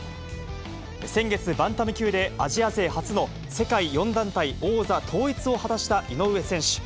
先月、バンタム級でアジア勢初の世界４団体王座統一を果たした井上選手。